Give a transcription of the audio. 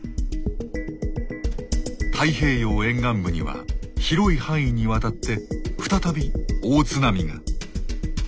太平洋沿岸部には広い範囲にわたって再び大津波が。